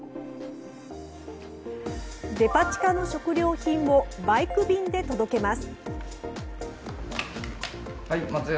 デパ地下の食料品をバイク便で届けます。